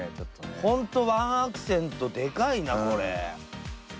ホントワンアクセントでかいなこれ。